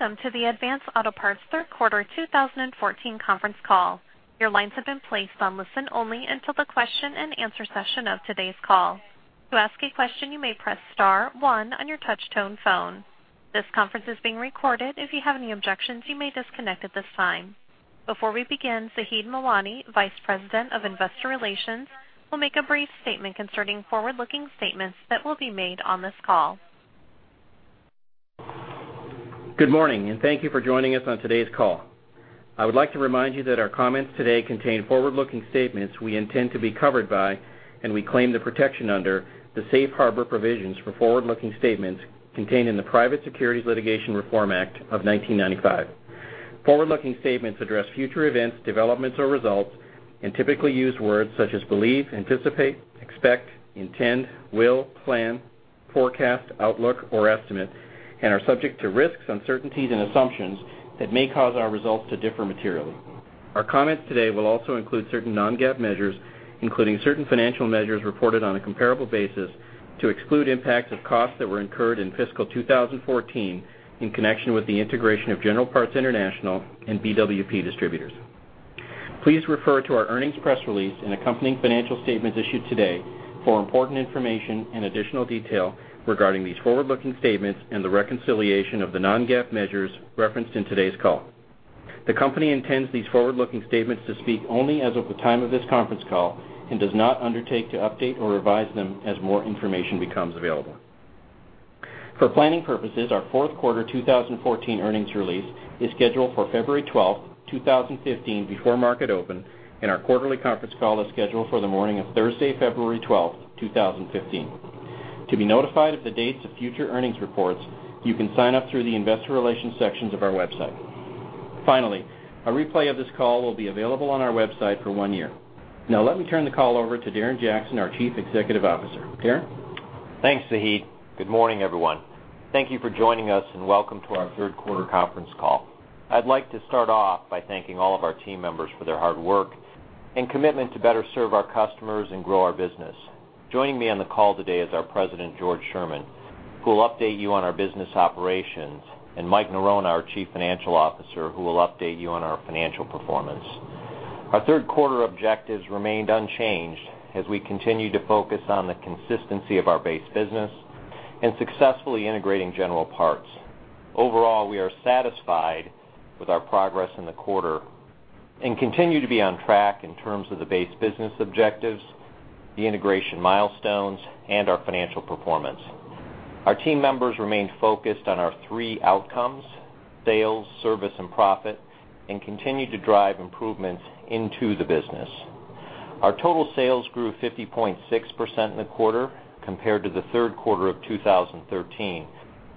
Welcome to the Advance Auto Parts third quarter 2014 conference call. Your lines have been placed on listen-only until the question and answer session of today's call. To ask a question, you may press star one on your touch-tone phone. This conference is being recorded. If you have any objections, you may disconnect at this time. Before we begin, Zaheed Mawani, Vice President of Investor Relations, will make a brief statement concerning forward-looking statements that will be made on this call. Good morning. Thank you for joining us on today's call. I would like to remind you that our comments today contain forward-looking statements we intend to be covered by, and we claim the protection under, the safe harbor provisions for forward-looking statements contained in the Private Securities Litigation Reform Act of 1995. Forward-looking statements address future events, developments, or results and typically use words such as believe, anticipate, expect, intend, will, plan, forecast, outlook, or estimate, and are subject to risks, uncertainties, and assumptions that may cause our results to differ materially. Our comments today will also include certain non-GAAP measures, including certain financial measures reported on a comparable basis to exclude impacts of costs that were incurred in fiscal 2014 in connection with the integration of General Parts International and BWP Distributors. Please refer to our earnings press release and accompanying financial statements issued today for important information and additional detail regarding these forward-looking statements and the reconciliation of the non-GAAP measures referenced in today's call. The company intends these forward-looking statements to speak only as of the time of this conference call and does not undertake to update or revise them as more information becomes available. For planning purposes, our fourth quarter 2014 earnings release is scheduled for February 12th, 2015, before market open. Our quarterly conference call is scheduled for the morning of Thursday, February 12th, 2015. To be notified of the dates of future earnings reports, you can sign up through the investor relations sections of our website. Finally, a replay of this call will be available on our website for one year. Now, let me turn the call over to Darren Jackson, our Chief Executive Officer. Darren? Thanks, Zaheed. Good morning, everyone. Thank you for joining us. Welcome to our third quarter conference call. I'd like to start off by thanking all of our team members for their hard work and commitment to better serve our customers and grow our business. Joining me on the call today is our President, George Sherman, who will update you on our business operations, and Mike Norona, our Chief Financial Officer, who will update you on our financial performance. Our third quarter objectives remained unchanged as we continued to focus on the consistency of our base business and successfully integrating General Parts. Overall, we are satisfied with our progress in the quarter and continue to be on track in terms of the base business objectives, the integration milestones, and our financial performance. Our team members remained focused on our three outcomes, sales, service, and profit, and continued to drive improvements into the business. Our total sales grew 50.6% in the quarter compared to the third quarter of 2013,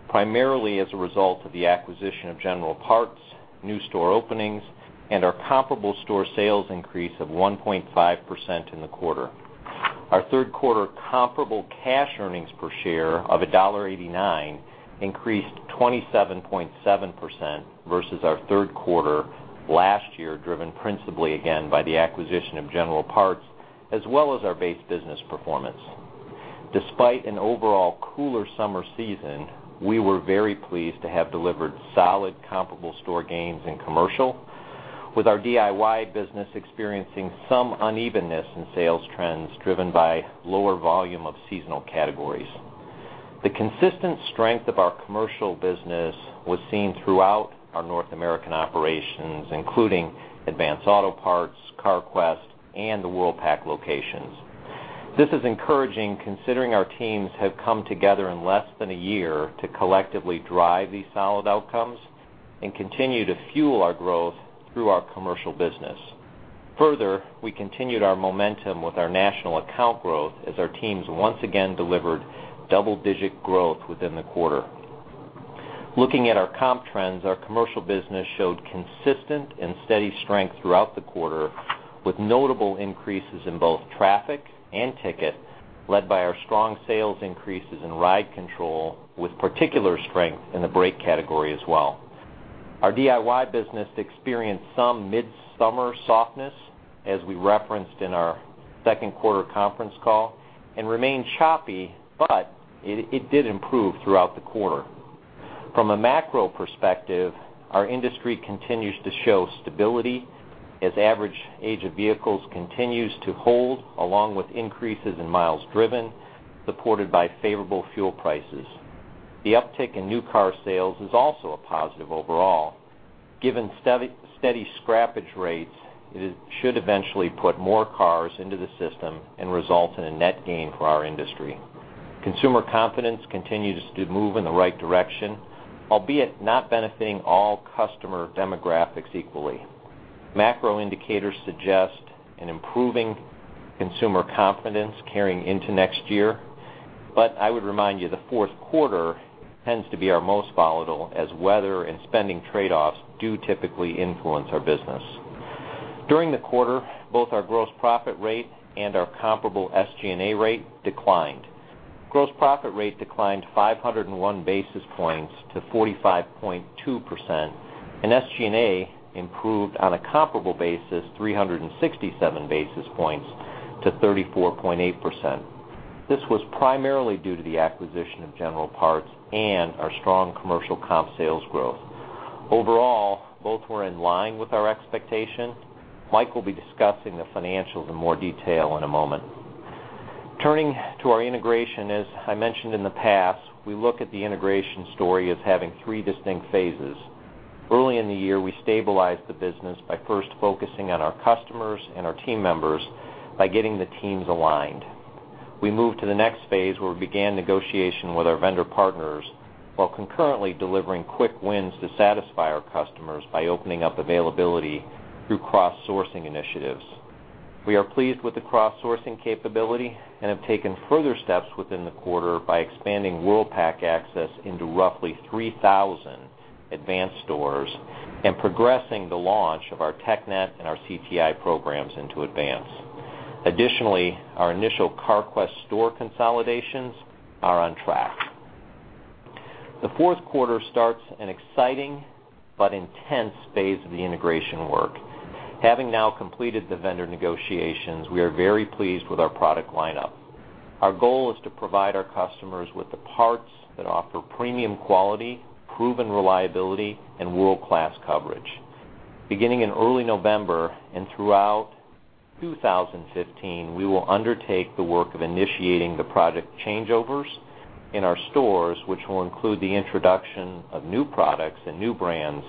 primarily as a result of the acquisition of General Parts, new store openings, and our comparable store sales increase of 1.5% in the quarter. Our third quarter comparable cash earnings per share of $1.89 increased 27.7% versus our third quarter last year, driven principally, again, by the acquisition of General Parts as well as our base business performance. Despite an overall cooler summer season, we were very pleased to have delivered solid comparable store gains in commercial, with our DIY business experiencing some unevenness in sales trends, driven by lower volume of seasonal categories. The consistent strength of our commercial business was seen throughout our North American operations, including Advance Auto Parts, Carquest, and the Worldpac locations. We continued our momentum with our national account growth as our teams once again delivered double-digit growth within the quarter. Looking at our comp trends, our commercial business showed consistent and steady strength throughout the quarter, with notable increases in both traffic and ticket led by our strong sales increases in ride control, with particular strength in the brake category as well. Our DIY business experienced some midsummer softness, as we referenced in our second quarter conference call, and remained choppy, but it did improve throughout the quarter. From a macro perspective, our industry continues to show stability as average age of vehicles continues to hold, along with increases in miles driven, supported by favorable fuel prices. The uptick in new car sales is also a positive overall. Given steady scrappage rates, it should eventually put more cars into the system and result in a net gain for our industry. Consumer confidence continues to move in the right direction, albeit not benefiting all customer demographics equally. Macro indicators suggest an improving consumer confidence carrying into next year. I would remind you, the fourth quarter tends to be our most volatile, as weather and spending trade-offs do typically influence our business. During the quarter, both our gross profit rate and our comparable SGA rate declined. Gross profit rate declined 501 basis points to 45.2%. SG&A improved on a comparable basis 367 basis points to 34.8%. This was primarily due to the acquisition of General Parts and our strong commercial comp sales growth. Overall, both were in line with our expectations. Mike will be discussing the financials in more detail in a moment. Turning to our integration, as I mentioned in the past, we look at the integration story as having three distinct phases. Early in the year, we stabilized the business by first focusing on our customers and our team members by getting the teams aligned. We moved to the next phase, where we began negotiation with our vendor partners while concurrently delivering quick wins to satisfy our customers by opening up availability through cross-sourcing initiatives. We are pleased with the cross-sourcing capability and have taken further steps within the quarter by expanding Worldpac access into roughly 3,000 Advance stores and progressing the launch of our TechNet and our CTI programs into Advance. Additionally, our initial Carquest store consolidations are on track. The fourth quarter starts an exciting but intense phase of the integration work. Having now completed the vendor negotiations, we are very pleased with our product lineup. Our goal is to provide our customers with the parts that offer premium quality, proven reliability, and world-class coverage. Beginning in early November and throughout 2015, we will undertake the work of initiating the product changeovers in our stores, which will include the introduction of new products and new brands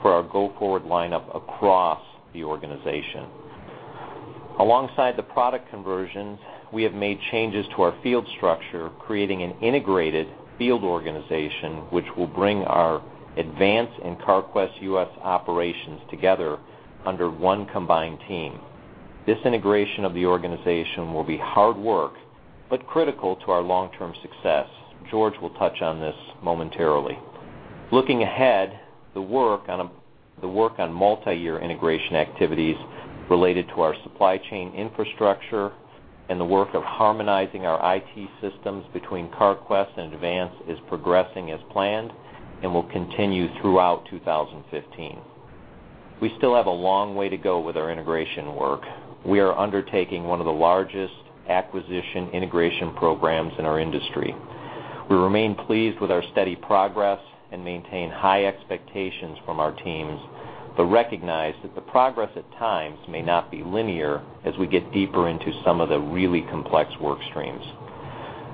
for our go-forward lineup across the organization. Alongside the product conversions, we have made changes to our field structure, creating an integrated field organization, which will bring our Advance and Carquest U.S. operations together under one combined team. This integration of the organization will be hard work but critical to our long-term success. George will touch on this momentarily. Looking ahead, the work on multi-year integration activities related to our supply chain infrastructure and the work of harmonizing our IT systems between Carquest and Advance is progressing as planned and will continue throughout 2015. We still have a long way to go with our integration work. We are undertaking one of the largest acquisition integration programs in our industry. We remain pleased with our steady progress and maintain high expectations from our teams, recognize that the progress at times may not be linear as we get deeper into some of the really complex work streams.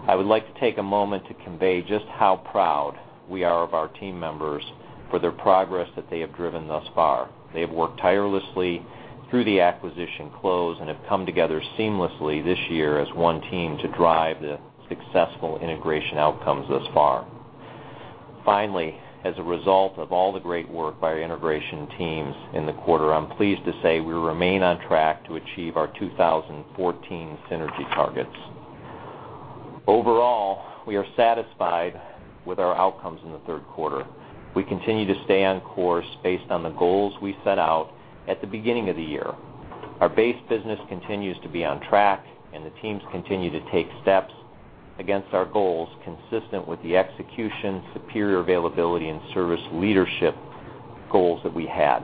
I would like to take a moment to convey just how proud we are of our team members for their progress that they have driven thus far. They have worked tirelessly through the acquisition close and have come together seamlessly this year as one team to drive the successful integration outcomes thus far. Finally, as a result of all the great work by our integration teams in the quarter, I'm pleased to say we remain on track to achieve our 2014 synergy targets. Overall, we are satisfied with our outcomes in the third quarter. We continue to stay on course based on the goals we set out at the beginning of the year. Our base business continues to be on track, the teams continue to take steps against our goals consistent with the execution, superior availability, and service leadership goals that we had.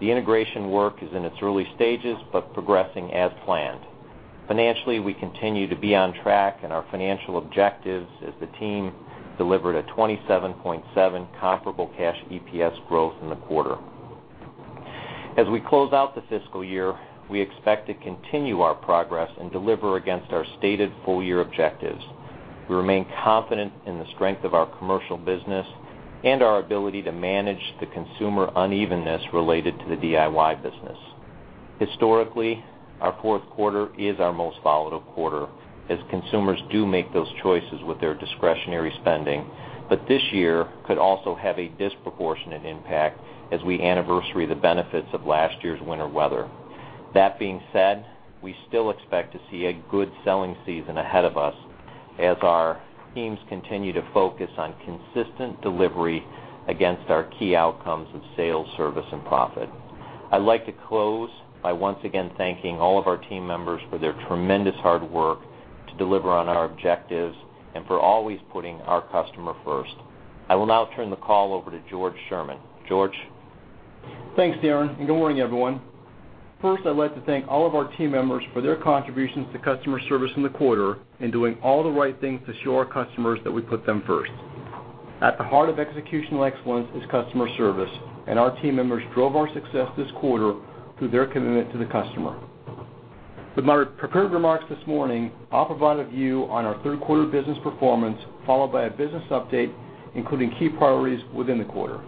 The integration work is in its early stages progressing as planned. Financially, we continue to be on track in our financial objectives as the team delivered a 27.7 comparable cash EPS growth in the quarter. As we close out the fiscal year, we expect to continue our progress and deliver against our stated full-year objectives. We remain confident in the strength of our commercial business and our ability to manage the consumer unevenness related to the DIY business. Historically, our fourth quarter is our most volatile quarter as consumers do make those choices with their discretionary spending. This year could also have a disproportionate impact as we anniversary the benefits of last year's winter weather. That being said, we still expect to see a good selling season ahead of us as our teams continue to focus on consistent delivery against our key outcomes of sales, service, and profit. I'd like to close by once again thanking all of our team members for their tremendous hard work to deliver on our objectives and for always putting our customer first. I will now turn the call over to George Sherman. George? Thanks, Darren, and good morning, everyone. First, I'd like to thank all of our team members for their contributions to customer service in the quarter and doing all the right things to show our customers that we put them first. At the heart of executional excellence is customer service, and our team members drove our success this quarter through their commitment to the customer. With my prepared remarks this morning, I'll provide a view on our third quarter business performance, followed by a business update, including key priorities within the quarter.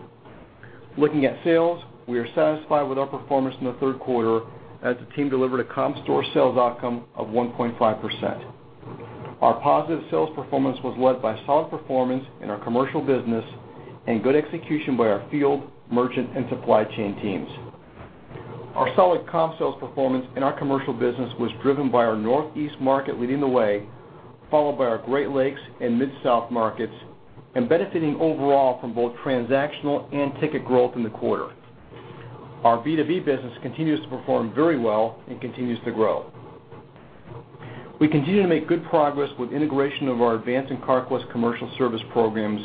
Looking at sales, we are satisfied with our performance in the third quarter as the team delivered a comp store sales outcome of 1.5%. Our positive sales performance was led by solid performance in our commercial business and good execution by our field, merchant, and supply chain teams. Our solid comp sales performance in our commercial business was driven by our Northeast market leading the way, followed by our Great Lakes and Mid-South markets, and benefiting overall from both transactional and ticket growth in the quarter. Our B2B business continues to perform very well and continues to grow. We continue to make good progress with integration of our Advance and Carquest commercial service programs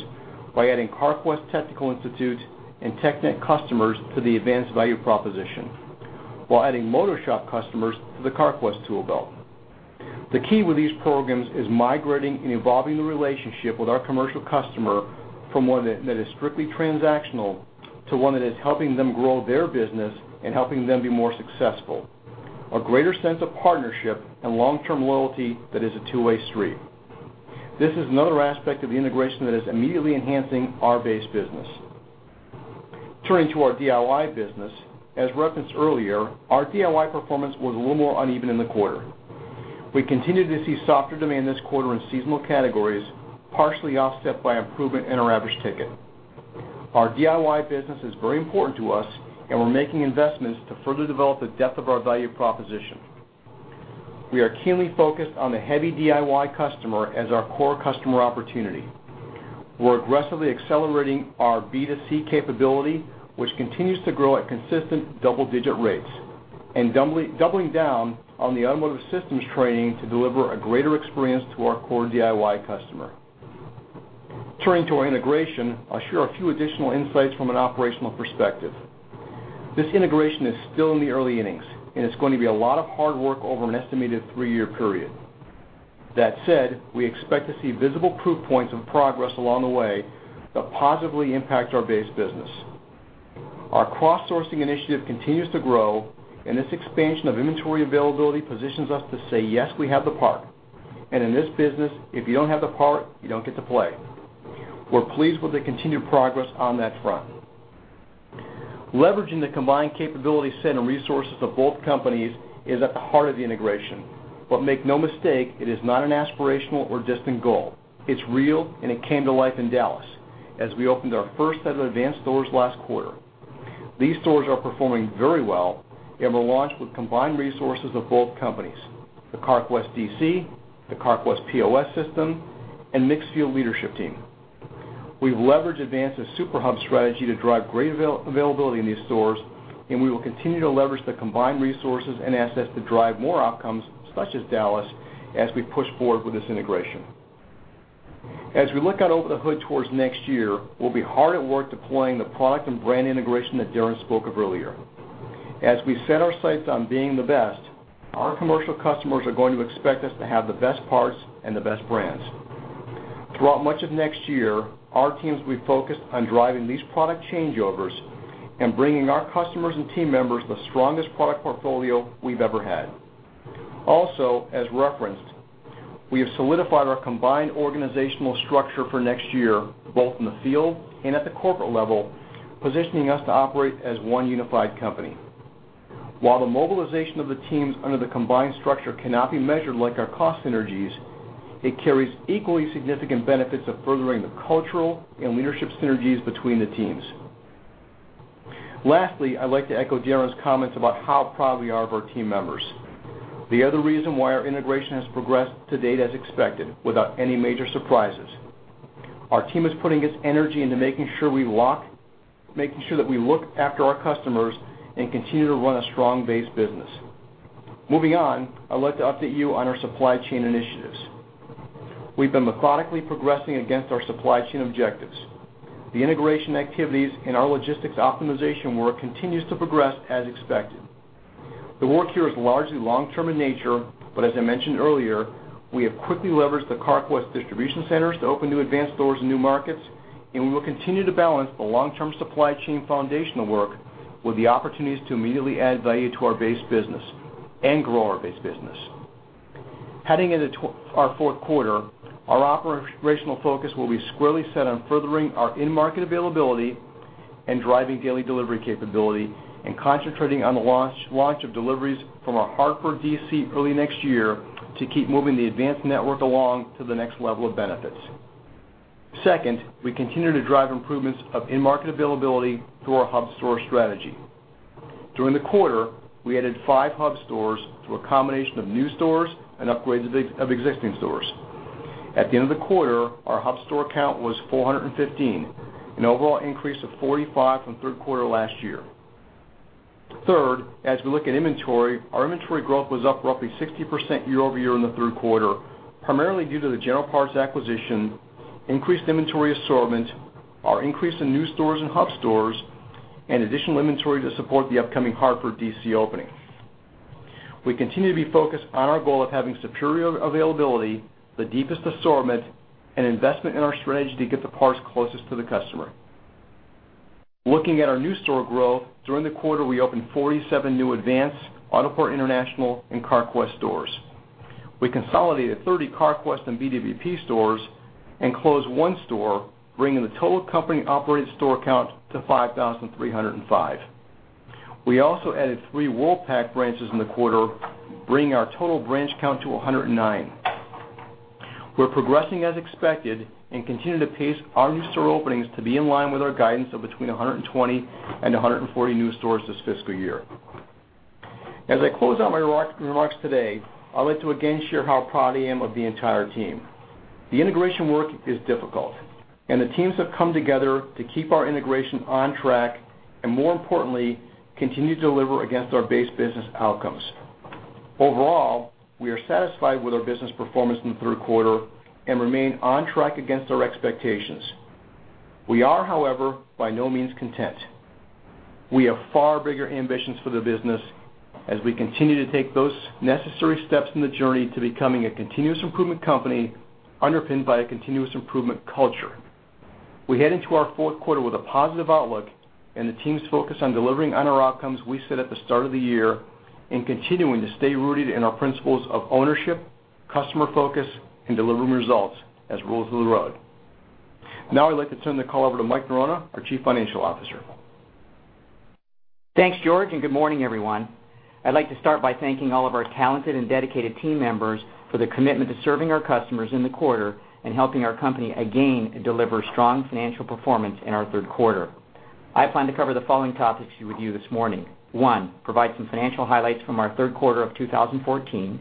by adding Carquest Technical Institute and TechNet customers to the Advance value proposition. While adding motor shop customers to the Carquest tool belt. The key with these programs is migrating and evolving the relationship with our commercial customer from one that is strictly transactional to one that is helping them grow their business and helping them be more successful. A greater sense of partnership and long-term loyalty that is a two-way street. This is another aspect of the integration that is immediately enhancing our base business. Turning to our DIY business, as referenced earlier, our DIY performance was a little more uneven in the quarter. We continued to see softer demand this quarter in seasonal categories, partially offset by improvement in our average ticket. Our DIY business is very important to us, and we're making investments to further develop the depth of our value proposition. We are keenly focused on the heavy DIY customer as our core customer opportunity. We're aggressively accelerating our B2C capability, which continues to grow at consistent double-digit rates, and doubling down on the automotive systems training to deliver a greater experience to our core DIY customer. Turning to our integration, I'll share a few additional insights from an operational perspective. This integration is still in the early innings, and it's going to be a lot of hard work over an estimated three-year period. That said, we expect to see visible proof points of progress along the way that positively impact our base business. Our cross-sourcing initiative continues to grow, and this expansion of inventory availability positions us to say, "Yes, we have the part." In this business, if you don't have the part, you don't get to play. We're pleased with the continued progress on that front. Leveraging the combined capability set and resources of both companies is at the heart of the integration. Make no mistake, it is not an aspirational or distant goal. It's real, and it came to life in Dallas as we opened our first set of Advance stores last quarter. These stores are performing very well and were launched with combined resources of both companies, the Carquest DC, the Carquest POS system, and mixed field leadership team. We've leveraged Advance's super hub strategy to drive great availability in these stores, and we will continue to leverage the combined resources and assets to drive more outcomes, such as Dallas, as we push forward with this integration. As we look out over the hood towards next year, we'll be hard at work deploying the product and brand integration that Darren spoke of earlier. As we set our sights on being the best, our commercial customers are going to expect us to have the best parts and the best brands. Throughout much of next year, our teams will be focused on driving these product changeovers and bringing our customers and team members the strongest product portfolio we've ever had. Also, as referenced, we have solidified our combined organizational structure for next year, both in the field and at the corporate level, positioning us to operate as one unified company. While the mobilization of the teams under the combined structure cannot be measured like our cost synergies, it carries equally significant benefits of furthering the cultural and leadership synergies between the teams. Lastly, I'd like to echo Darren's comments about how proud we are of our team members. The other reason why our integration has progressed to date as expected, without any major surprises. Our team is putting its energy into making sure that we look after our customers and continue to run a strong base business. Moving on, I'd like to update you on our supply chain initiatives. We've been methodically progressing against our supply chain objectives. The integration activities and our logistics optimization work continues to progress as expected. The work here is largely long-term in nature, but as I mentioned earlier, we have quickly leveraged the Carquest distribution centers to open new Advance stores in new markets, and we will continue to balance the long-term supply chain foundational work with the opportunities to immediately add value to our base business and grow our base business. Heading into our fourth quarter, our operational focus will be squarely set on furthering our in-market availability and driving daily delivery capability and concentrating on the launch of deliveries from our Hartford DC early next year to keep moving the Advance network along to the next level of benefits. Second, we continue to drive improvements of in-market availability through our hub store strategy. During the quarter, we added five hub stores through a combination of new stores and upgrades of existing stores. At the end of the quarter, our hub store count was 415, an overall increase of 45 from third quarter last year. Third, as we look at inventory, our inventory growth was up roughly 60% year-over-year in the third quarter, primarily due to the General Parts acquisition, increased inventory assortment, our increase in new stores and hub stores, and additional inventory to support the upcoming Hartford DC opening. We continue to be focused on our goal of having superior availability, the deepest assortment, and investment in our strategy to get the parts closest to the customer. Looking at our new store growth, during the quarter, we opened 47 new Advance, Autopart International, and Carquest stores. We consolidated 30 Carquest and BWP stores and closed one store, bringing the total company-operated store count to 5,305. We also added three Worldpac branches in the quarter, bringing our total branch count to 109. We are progressing as expected and continue to pace our new store openings to be in line with our guidance of between 120 and 140 new stores this fiscal year. As I close out my remarks today, I would like to again share how proud I am of the entire team. The integration work is difficult, and the teams have come together to keep our integration on track, and more importantly, continue to deliver against our base business outcomes. Overall, we are satisfied with our business performance in the third quarter and remain on track against our expectations. We are, however, by no means content. We have far bigger ambitions for the business as we continue to take those necessary steps in the journey to becoming a continuous improvement company underpinned by a continuous improvement culture. We head into our fourth quarter with a positive outlook and the team's focus on delivering on our outcomes we set at the start of the year, and continuing to stay rooted in our principles of ownership, customer focus, and delivering results as rules of the road. Now I would like to turn the call over to Mike Norona, our Chief Financial Officer. Thanks, George, and good morning, everyone. I would like to start by thanking all of our talented and dedicated team members for their commitment to serving our customers in the quarter and helping our company again deliver strong financial performance in our third quarter. I plan to cover the following topics with you this morning. One, provide some financial highlights from our third quarter of 2014.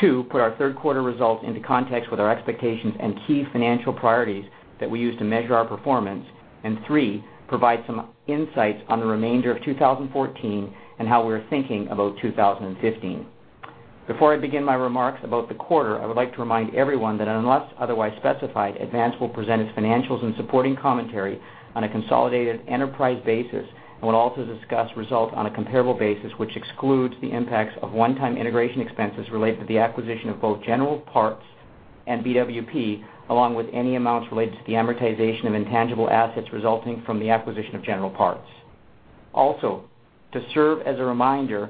Two, put our third quarter results into context with our expectations and key financial priorities that we use to measure our performance. And three, provide some insights on the remainder of 2014 and how we are thinking about 2015. Before I begin my remarks about the quarter, I would like to remind everyone that unless otherwise specified, Advance will present its financials and supporting commentary on a consolidated enterprise basis, and will also discuss results on a comparable basis, which excludes the impacts of one-time integration expenses related to the acquisition of both General Parts and BWP, along with any amounts related to the amortization of intangible assets resulting from the acquisition of General Parts. Also, to serve as a reminder,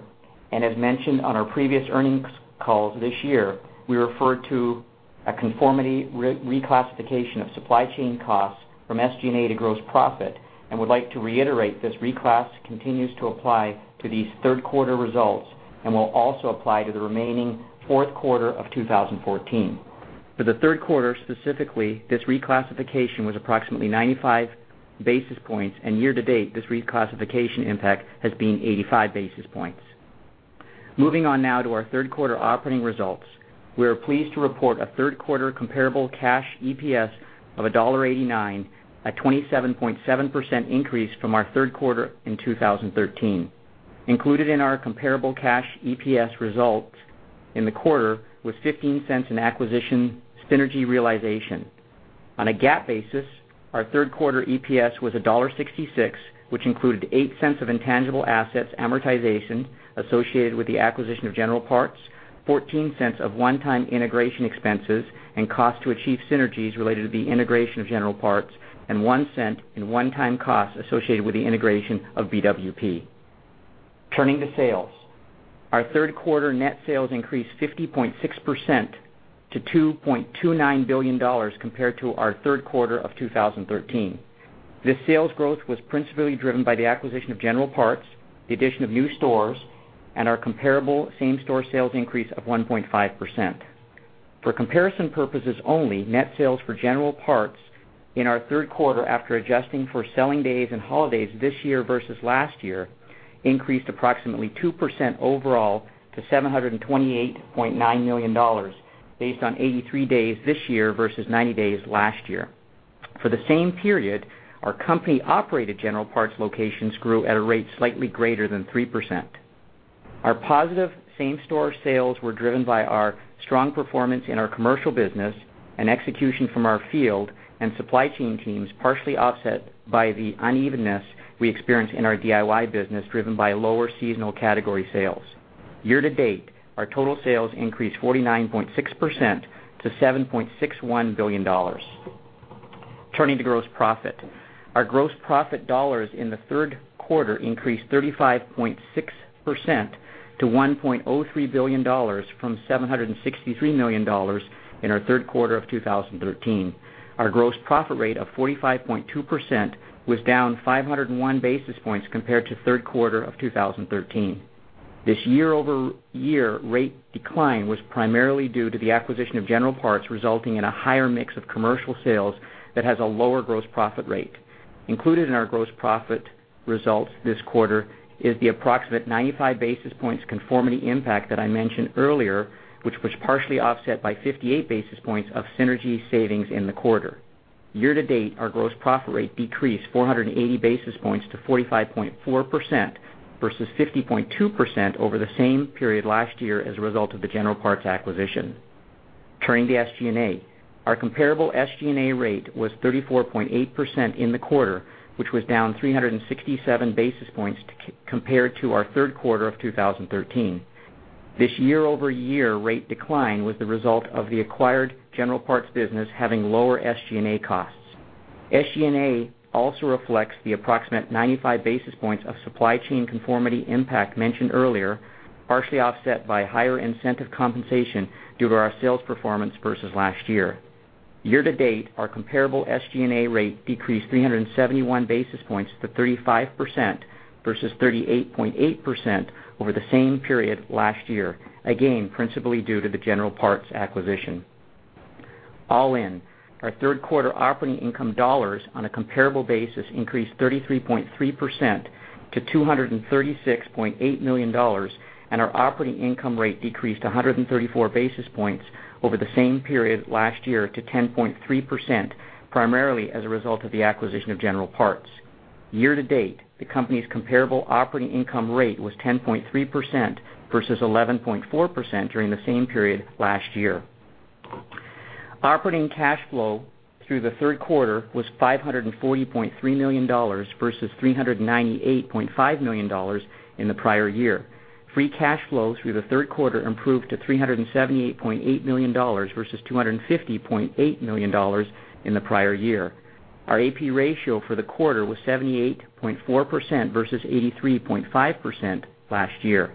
and as mentioned on our previous earnings calls this year, we referred to a conformity reclassification of supply chain costs from SG&A to gross profit and would like to reiterate this reclass continues to apply to these third quarter results and will also apply to the remaining fourth quarter of 2014. For the third quarter, specifically, this reclassification was approximately 95 basis points. Year-to-date, this reclassification impact has been 85 basis points. Moving on now to our third quarter operating results. We are pleased to report a third quarter comparable cash EPS of $1.89, a 27.7% increase from our third quarter in 2013. Included in our comparable cash EPS results in the quarter was $0.15 in acquisition synergy realization. On a GAAP basis, our third quarter EPS was $1.66, which included $0.08 of intangible assets amortization associated with the acquisition of General Parts, $0.14 of one-time integration expenses, and cost to achieve synergies related to the integration of General Parts, and $0.01 in one-time costs associated with the integration of BWP. Turning to sales. Our third quarter net sales increased 50.6% to $2.29 billion compared to our third quarter of 2013. This sales growth was principally driven by the acquisition of General Parts, the addition of new stores, and our comparable same-store sales increase of 1.5%. For comparison purposes only, net sales for General Parts in our third quarter, after adjusting for selling days and holidays this year versus last year, increased approximately 2% overall to $728.9 million based on 83 days this year versus 90 days last year. For the same period, our company-operated General Parts locations grew at a rate slightly greater than 3%. Our positive same-store sales were driven by our strong performance in our commercial business and execution from our field and supply chain teams, partially offset by the unevenness we experienced in our DIY business, driven by lower seasonal category sales. Year-to-date, our total sales increased 49.6% to $7.61 billion. Turning to gross profit. Our gross profit dollars in the third quarter increased 35.6% to $1.03 billion from $763 million in our third quarter of 2013. Our gross profit rate of 45.2% was down 501 basis points compared to third quarter of 2013. This year-over-year rate decline was primarily due to the acquisition of General Parts, resulting in a higher mix of commercial sales that has a lower gross profit rate. Included in our gross profit results this quarter is the approximate 95 basis points conformity impact that I mentioned earlier, which was partially offset by 58 basis points of synergy savings in the quarter. Year-to-date, our gross profit rate decreased 480 basis points to 45.4% versus 50.2% over the same period last year as a result of the General Parts acquisition. Turning to SG&A. Our comparable SG&A rate was 34.8% in the quarter, which was down 367 basis points compared to our third quarter of 2013. This year-over-year rate decline was the result of the acquired General Parts business having lower SG&A costs. SG&A also reflects the approximate 95 basis points of supply chain conformity impact mentioned earlier, partially offset by higher incentive compensation due to our sales performance versus last year. Year-to-date, our comparable SG&A rate decreased 371 basis points to 35% versus 38.8% over the same period last year, again, principally due to the General Parts acquisition. All in, our third quarter operating income dollars on a comparable basis increased 33.3% to $236.8 million, and our operating income rate decreased 134 basis points over the same period last year to 10.3%, primarily as a result of the acquisition of General Parts. Year-to-date, the company's comparable operating income rate was 10.3% versus 11.4% during the same period last year. Operating cash flow through the third quarter was $540.3 million versus $398.5 million in the prior year. Free cash flow through the third quarter improved to $378.8 million versus $250.8 million in the prior year. Our AP ratio for the quarter was 78.4% versus 83.5% last year.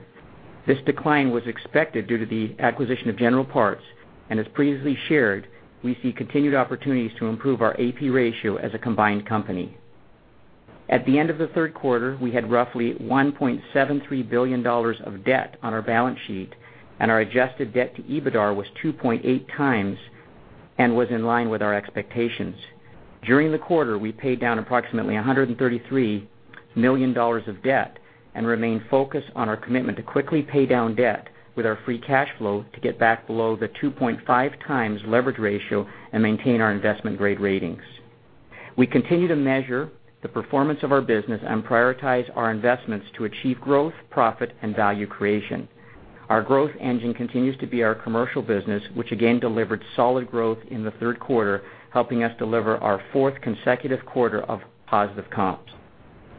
This decline was expected due to the acquisition of General Parts, and as previously shared, we see continued opportunities to improve our AP ratio as a combined company. At the end of the third quarter, we had roughly $1.73 billion of debt on our balance sheet, and our adjusted debt to EBITDAR was 2.8 times and was in line with our expectations. During the quarter, we paid down approximately $133 million of debt and remain focused on our commitment to quickly pay down debt with our free cash flow to get back below the 2.5 times leverage ratio and maintain our investment-grade ratings. We continue to measure the performance of our business and prioritize our investments to achieve growth, profit, and value creation. Our growth engine continues to be our commercial business, which again delivered solid growth in the third quarter, helping us deliver our fourth consecutive quarter of positive comps.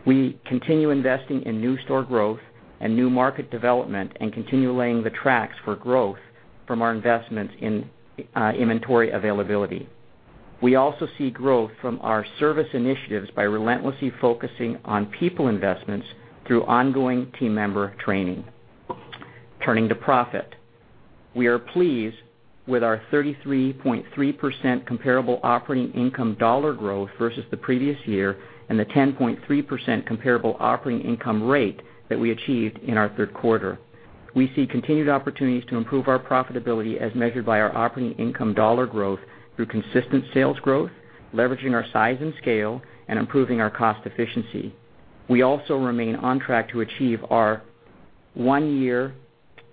We continue investing in new store growth and new market development and continue laying the tracks for growth from our investments in inventory availability. We also see growth from our service initiatives by relentlessly focusing on people investments through ongoing team member training. Turning to profit. We are pleased with our 33.3% comparable operating income dollar growth versus the previous year and the 10.3% comparable operating income rate that we achieved in our third quarter. We see continued opportunities to improve our profitability as measured by our operating income dollar growth through consistent sales growth, leveraging our size and scale, and improving our cost efficiency. We also remain on track to achieve our one-year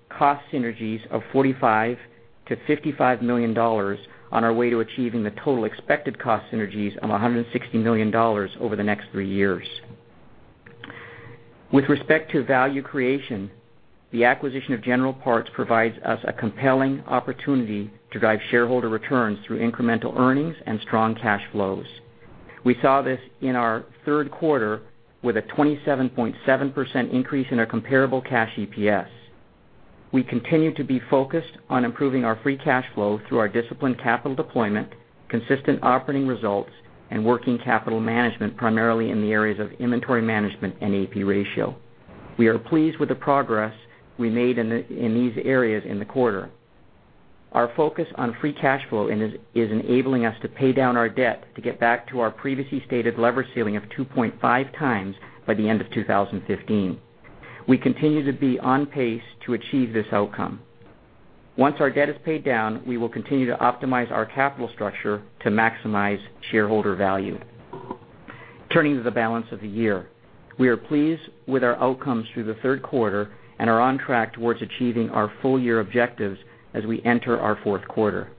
cost synergies of $45 million to $55 million on our way to achieving the total expected cost synergies of $160 million over the next three years. With respect to value creation, the acquisition of General Parts provides us a compelling opportunity to drive shareholder returns through incremental earnings and strong cash flows. We saw this in our third quarter with a 27.7% increase in our comparable cash EPS. We continue to be focused on improving our free cash flow through our disciplined capital deployment, consistent operating results, and working capital management, primarily in the areas of inventory management and AP ratio. We are pleased with the progress we made in these areas in the quarter. Our focus on free cash flow is enabling us to pay down our debt to get back to our previously stated leverage ceiling of 2.5 times by the end of 2015. We continue to be on pace to achieve this outcome. Once our debt is paid down, we will continue to optimize our capital structure to maximize shareholder value. Turning to the balance of the year. We are pleased with our outcomes through the third quarter and are on track towards achieving our full year objectives as we enter our fourth quarter.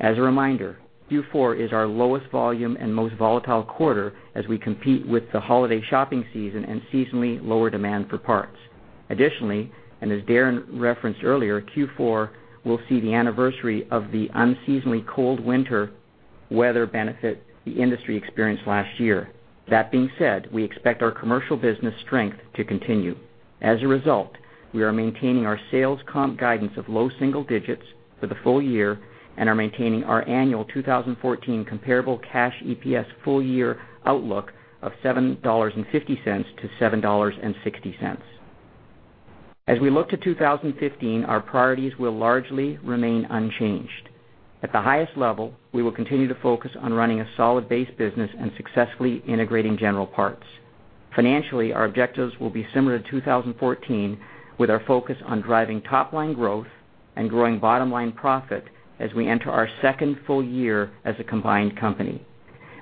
As a reminder, Q4 is our lowest volume and most volatile quarter as we compete with the holiday shopping season and seasonally lower demand for parts. Additionally, as Darren referenced earlier, Q4 will see the anniversary of the unseasonably cold winter weather benefit the industry experienced last year. That being said, we expect our commercial business strength to continue. As a result, we are maintaining our sales comp guidance of low single digits for the full year and are maintaining our annual 2014 comparable cash EPS full year outlook of $7.50-$7.60. As we look to 2015, our priorities will largely remain unchanged. At the highest level, we will continue to focus on running a solid base business and successfully integrating General Parts. Financially, our objectives will be similar to 2014, with our focus on driving top-line growth and growing bottom-line profit as we enter our second full year as a combined company.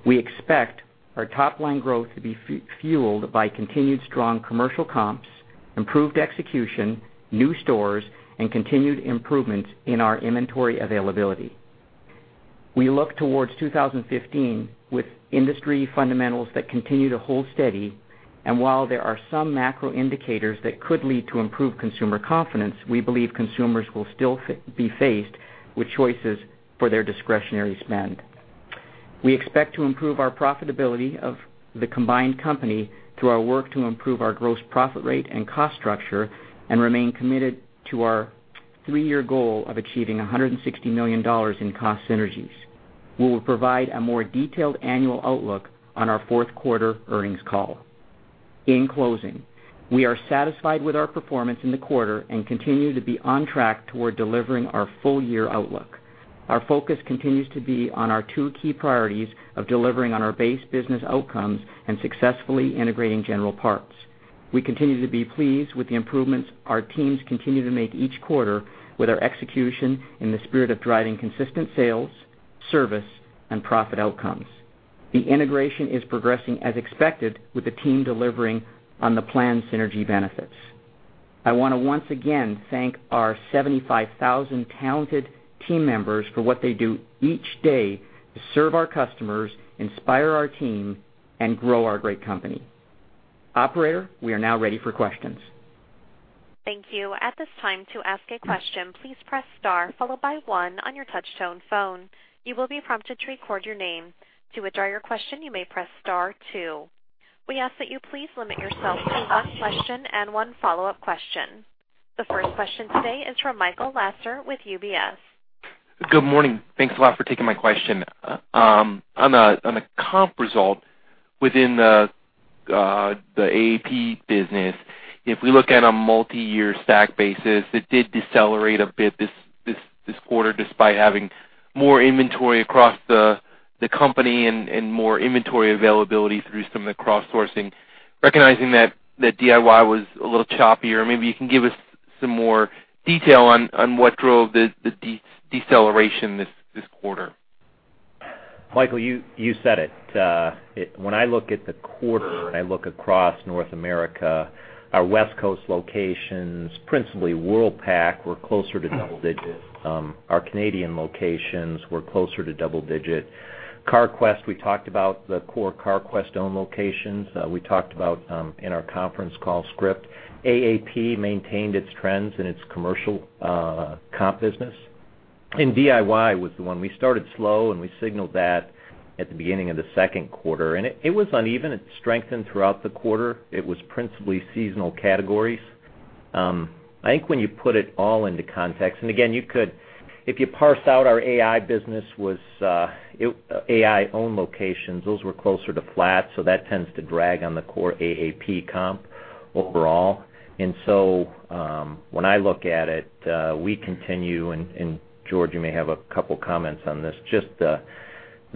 We expect our top-line growth to be fueled by continued strong commercial comps, improved execution, new stores, and continued improvements in our inventory availability. We look towards 2015 with industry fundamentals that continue to hold steady, while there are some macro indicators that could lead to improved consumer confidence, we believe consumers will still be faced with choices for their discretionary spend. We expect to improve our profitability of the combined company through our work to improve our gross profit rate and cost structure and remain committed to our three-year goal of achieving $160 million in cost synergies. We will provide a more detailed annual outlook on our fourth quarter earnings call. In closing, we are satisfied with our performance in the quarter and continue to be on track toward delivering our full year outlook. Our focus continues to be on our two key priorities of delivering on our base business outcomes and successfully integrating General Parts. We continue to be pleased with the improvements our teams continue to make each quarter with our execution in the spirit of driving consistent sales, service, and profit outcomes. The integration is progressing as expected with the team delivering on the planned synergy benefits. I want to once again thank our 75,000 talented team members for what they do each day to serve our customers, inspire our team, and grow our great company. Operator, we are now ready for questions. Thank you. At this time, to ask a question, please press star followed by one on your touch-tone phone. You will be prompted to record your name. To withdraw your question, you may press star two. We ask that you please limit yourself to one question and one follow-up question. The first question today is from Michael Lasser with UBS. Good morning. Thanks a lot for taking my question. On the comp result within the AAP business, if we look at a multi-year stack basis, it did decelerate a bit this quarter despite having more inventory across the company and more inventory availability through some of the cross-sourcing. Recognizing that DIY was a little choppier, maybe you can give us some more detail on what drove the deceleration this quarter. Michael, you said it. When I look at the quarter and I look across North America, our West Coast locations, principally Worldpac, were closer to double digits. Our Canadian locations were closer to double digits. Carquest, we talked about the core Carquest-owned locations. We talked about, in our conference call script, AAP maintained its trends in its commercial comp business. DIY was the one. We started slow, and we signaled that at the beginning of the second quarter. It was uneven. It strengthened throughout the quarter. It was principally seasonal categories. I think when you put it all into context, again, if you parse out our Autopart International-owned locations, those were closer to flat. That tends to drag on the core AAP comp overall. When I look at it, we continue, George, you may have a couple comments on this, just the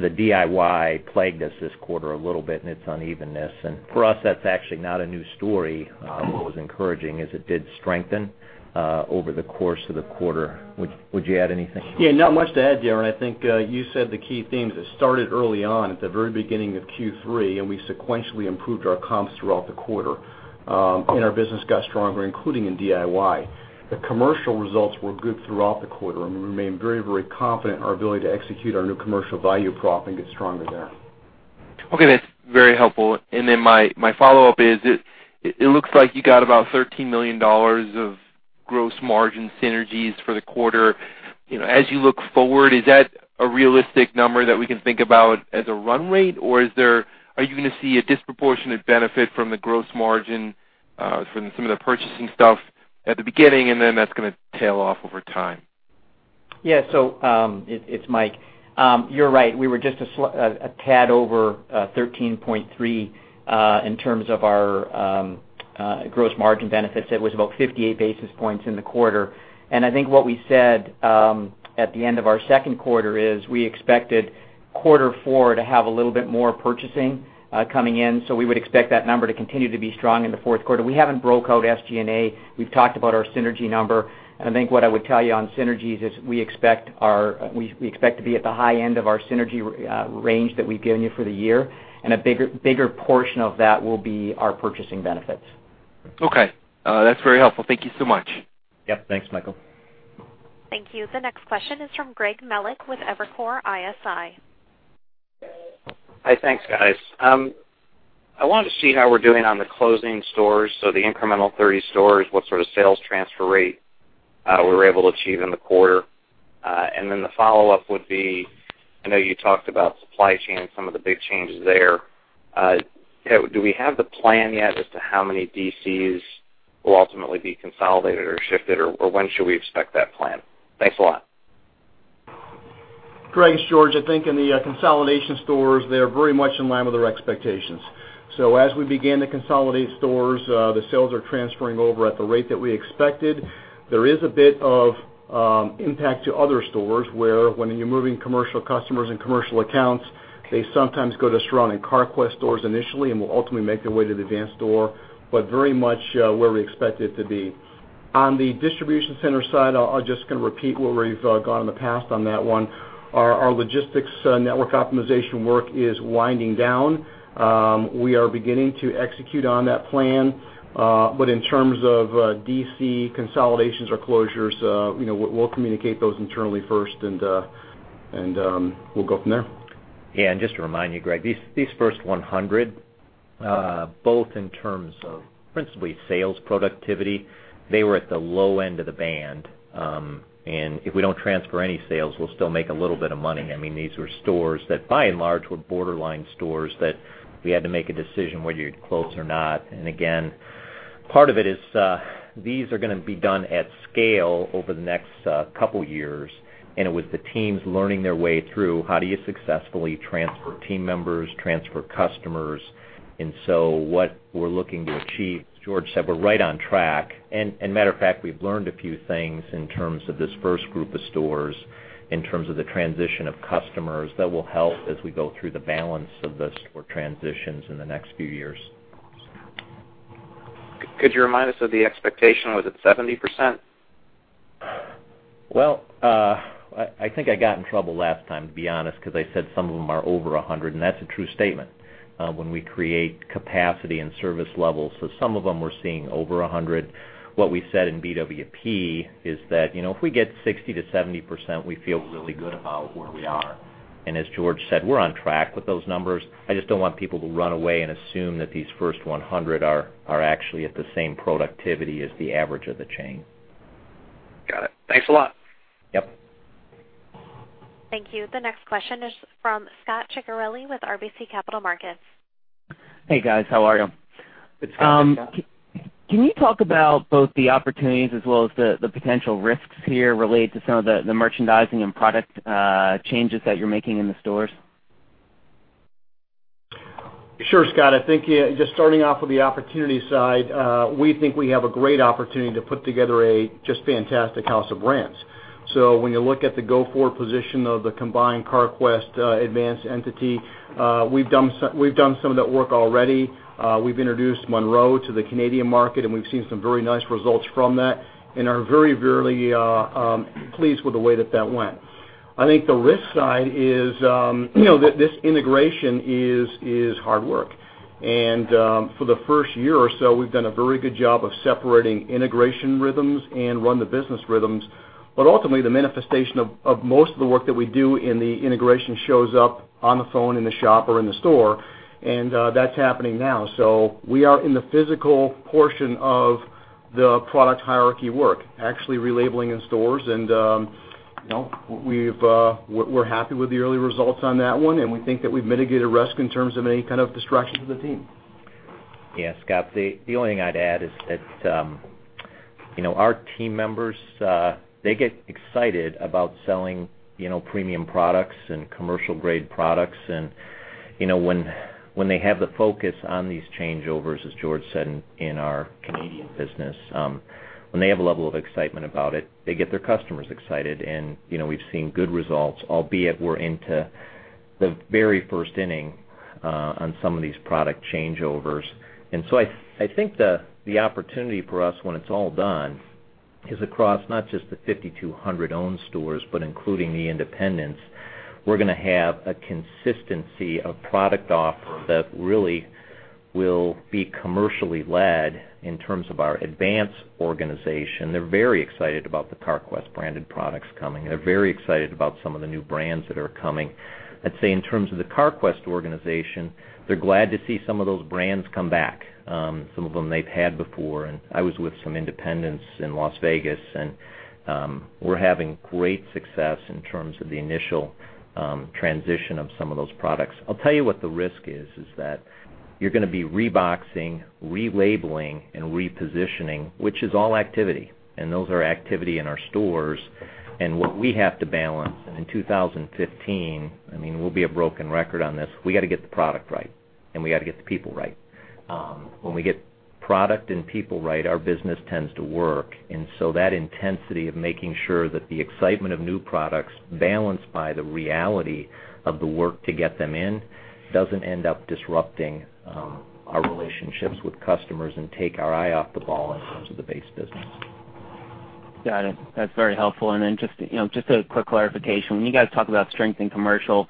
DIY plagued us this quarter a little bit in its unevenness. For us, that's actually not a new story. What was encouraging is it did strengthen over the course of the quarter. Would you add anything? Yeah. Not much to add, Darren. I think you said the key themes. It started early on at the very beginning of Q3. We sequentially improved our comps throughout the quarter. Our business got stronger, including in DIY. The commercial results were good throughout the quarter, and we remain very confident in our ability to execute our new commercial value prop and get stronger there. Okay. That's very helpful. My follow-up is, it looks like you got about $13 million of gross margin synergies for the quarter. As you look forward, is that a realistic number that we can think about as a run rate? Are you going to see a disproportionate benefit from the gross margin from some of the purchasing stuff at the beginning, and then that's going to tail off over time? Yeah. It's Mike. You're right. We were just a tad over $13.3 in terms of our gross margin benefits. It was about 58 basis points in the quarter. I think what we said at the end of our second quarter is we expected quarter four to have a little bit more purchasing coming in. We would expect that number to continue to be strong in the fourth quarter. We haven't broke out SG&A. We've talked about our synergy number, and I think what I would tell you on synergies is we expect to be at the high end of our synergy range that we've given you for the year, and a bigger portion of that will be our purchasing benefits. Okay. That's very helpful. Thank you so much. Yep. Thanks, Michael. Thank you. The next question is from Greg Melich with Evercore ISI. Hi. Thanks, guys. I wanted to see how we're doing on the closing stores, so the incremental 30 stores, what sort of sales transfer rate we were able to achieve in the quarter. The follow-up would be, I know you talked about supply chain, some of the big changes there. Do we have the plan yet as to how many DCs will ultimately be consolidated or shifted, or when should we expect that plan? Thanks a lot. Greg, it's George. I think in the consolidation stores, they are very much in line with our expectations. As we begin to consolidate stores, the sales are transferring over at the rate that we expected. There is a bit of impact to other stores where when you're moving commercial customers and commercial accounts, they sometimes go to store on Carquest stores initially and will ultimately make their way to the Advance store, but very much where we expect it to be. On the distribution center side, I'm just going to repeat where we've gone in the past on that one. Our logistics network optimization work is winding down. We are beginning to execute on that plan. In terms of DC consolidations or closures, we'll communicate those internally first, and we'll go from there. Yeah. Just to remind you, Greg, these first 100, both in terms of principally sales productivity, they were at the low end of the band. If we don't transfer any sales, we'll still make a little bit of money. These were stores that by and large were borderline stores that we had to make a decision whether you'd close or not. Again, part of it is these are going to be done at scale over the next couple of years, and it was the teams learning their way through how do you successfully transfer team members, transfer customers. What we're looking to achieve, as George said, we're right on track. Matter of fact, we've learned a few things in terms of this first group of stores, in terms of the transition of customers that will help as we go through the balance of the store transitions in the next few years. Could you remind us of the expectation? Was it 70%? Well, I think I got in trouble last time, to be honest, because I said some of them are over 100, and that's a true statement. When we create capacity and service levels, some of them we're seeing over 100. What we said in BWP is that if we get 60%-70%, we feel really good about where we are. As George said, we're on track with those numbers. I just don't want people to run away and assume that these first 100 are actually at the same productivity as the average of the chain. Got it. Thanks a lot. Yep. Thank you. The next question is from Scot Ciccarelli with RBC Capital Markets. Hey, guys. How are you? It's Scot, hi Scot. Can you talk about both the opportunities as well as the potential risks here related to some of the merchandising and product changes that you're making in the stores? Sure, Scot. I think, just starting off with the opportunity side, we think we have a great opportunity to put together a just fantastic house of brands. When you look at the go-forward position of the combined Carquest, Advance entity, we've done some of that work already. We've introduced Monroe to the Canadian market, and we've seen some very nice results from that and are very, very pleased with the way that that went. I think the risk side is that this integration is hard work. For the first year or so, we've done a very good job of separating integration rhythms and run the business rhythms. Ultimately, the manifestation of most of the work that we do in the integration shows up on the phone, in the shop, or in the store, and that's happening now. We are in the physical portion of the product hierarchy work, actually relabeling in stores, and we're happy with the early results on that one, and we think that we've mitigated risk in terms of any kind of distraction to the team. Yeah, Scot, the only thing I'd add is that our team members, they get excited about selling premium products and commercial-grade products. When they have the focus on these changeovers, as George said, in our Canadian business, when they have a level of excitement about it, they get their customers excited, and we've seen good results, albeit we're into the very first inning on some of these product changeovers. I think the opportunity for us when it's all done is across not just the 5,200 owned stores, but including the independents. We're going to have a consistency of product offer that really will be commercially led in terms of our Advance organization. They're very excited about the Carquest branded products coming. They're very excited about some of the new brands that are coming. I'd say in terms of the Carquest organization, they're glad to see some of those brands come back. Some of them they've had before. I was with some independents in Las Vegas, and we're having great success in terms of the initial transition of some of those products. I'll tell you what the risk is that you're going to be re-boxing, relabeling, and repositioning, which is all activity, and those are activity in our stores. What we have to balance, and in 2015, we'll be a broken record on this, we got to get the product right, and we got to get the people right. When we get product and people right, our business tends to work. That intensity of making sure that the excitement of new products balanced by the reality of the work to get them in doesn't end up disrupting our relationships with customers and take our eye off the ball in terms of the base business. Got it. That's very helpful. Just a quick clarification. When you guys talk about strength in commercial,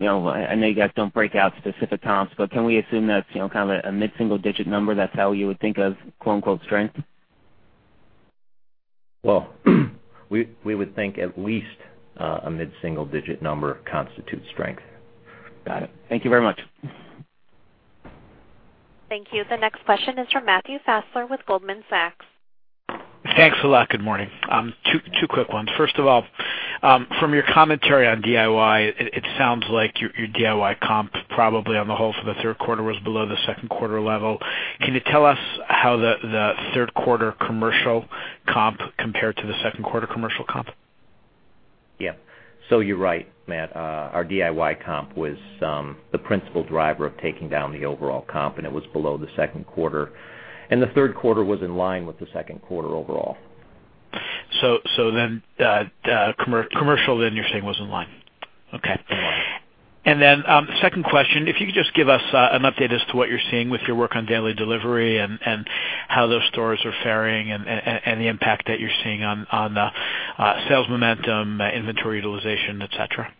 I know you guys don't break out specific comps, but can we assume that's a mid-single digit number? That's how you would think of "strength"? Well, we would think at least a mid-single digit number constitutes strength. Got it. Thank you very much. Thank you. The next question is from Matthew Fassler with Goldman Sachs. Thanks a lot. Good morning. Two quick ones. First of all, from your commentary on DIY, it sounds like your DIY comp probably on the whole for the third quarter was below the second quarter level. Can you tell us how the third quarter commercial comp compared to the second quarter commercial comp? Yeah. You're right, Matt. Our DIY comp was the principal driver of taking down the overall comp, and it was below the second quarter. The third quarter was in line with the second quarter overall. Commercial then you're saying was in line. Okay. In line. Second question, if you could just give us an update as to what you're seeing with your work on daily delivery and how those stores are faring and the impact that you're seeing on the sales momentum, inventory utilization, et cetera.